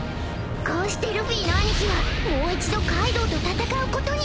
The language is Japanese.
［こうしてルフィの兄貴はもう一度カイドウと戦うことに］